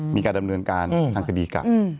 มีการดำเนินการทางคดีกัน